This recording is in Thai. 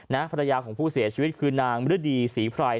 ภรรยาของผู้เสียชีวิตคือนางมฤดีศรีไพร